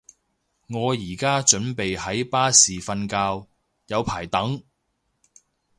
我而家準備喺巴士瞓覺，有排等